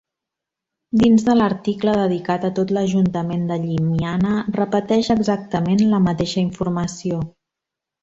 Dins de l'article dedicat a tot l'ajuntament de Llimiana repeteix exactament la mateixa informació.